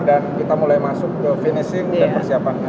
dan kita mulai masuk ke finishing dan persiapan